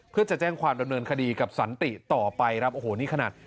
เพื่อจะแจ้งความดำเนินคดีกับสันติต่อไปครับโอ้โหนี่ขนาด